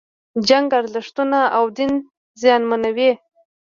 جنگ ارزښتونه او دین زیانمنوي.